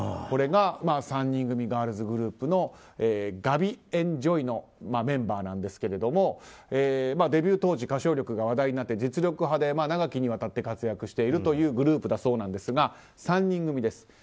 これが３人組ガールズグループのＧａｖｙＮ．Ｊのメンバーなんですがデビュー当時歌唱力が話題になり実力派で長きにわたって活躍しているグループだそうなんですが３人組です。